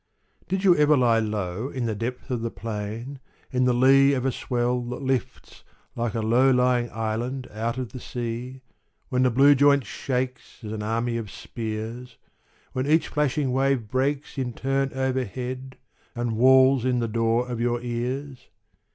Did you ever lie low In the depth of the plain, & In the lee of a swell that lifts Like a low lying island out of the sea, When the blue joint shakes As an army of spears; When each flashing wave breaks In turn overhead And wails in the door of your ears